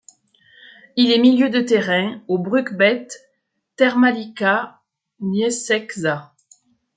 Il est milieu de terrain au Bruk-Bet Termalica Nieciecza.